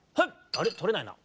あれとれないな。